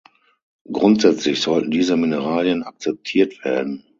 Grundsätzlich sollten diese Mineralien akzeptiert werden.